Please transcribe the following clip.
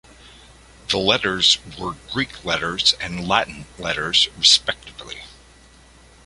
The letters were Greek letters and Latin letters, respectively.